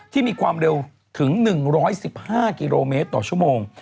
มีความเร็วถึง๑๑๕กิโลเมตรต่อชั่วโมง